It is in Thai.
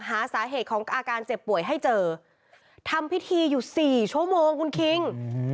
หาสาเหตุของอาการเจ็บป่วยให้เจอทำพิธีอยู่สี่ชั่วโมงคุณคิง